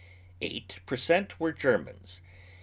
Eight per cent, were Germans.